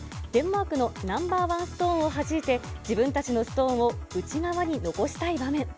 デンマークのナンバーワンストーンを弾いて自分たちのストーンを内側に残したい場面。